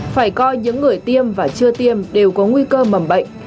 phải coi những người tiêm và chưa tiêm đều có nguy cơ mầm bệnh